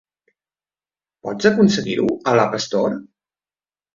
Pots aconseguir-ho a l'App Store?